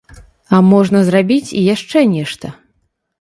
А можна зрабіць і яшчэ нешта.